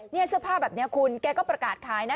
นี่เสื้อผ้าแบบนี้คุณแกก็ประกาศขายนะ